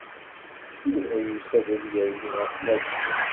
Yuba yusa-d ad yerzu ɣef Malika.